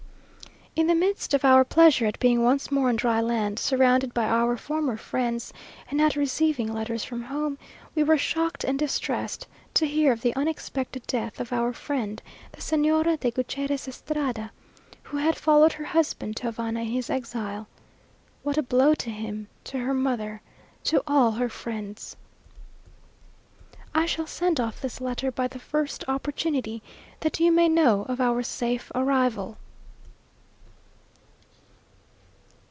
In the midst of our pleasure at being once more on dry land, surrounded by our former friends, and at receiving letters from home, we were shocked and distressed to hear of the unexpected death of our friend, the Señora de Gutierrez Estrada, who had followed her husband to Havana in his exile. What a blow to him, to her mother, to all her friends!... I shall send off this letter by the first opportunity, that you may know of our safe arrival.